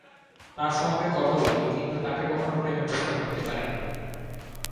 তার সঙ্গে কথা বলি, কিন্তু তাকে কখনো প্রেমের প্রস্তাব দিতে পারিনি।